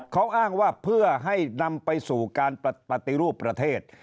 เขาอ้างว่าเพื่อให้นำไปสู่การปฏิรูปประเทศ